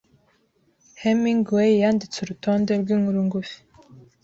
Hemingway yanditse urutonde rw'inkuru ngufi